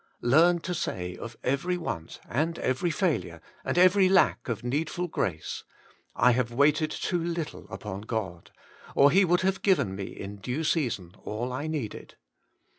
Learn to say of every want, and every failure, and every lack of needful grace : I have waited too little upon God, or He would have given me in due season all I needed.